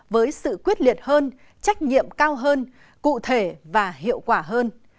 với sự quyết liệt hơn trách nhiệm cao hơn cụ thể và hiệu quả hơn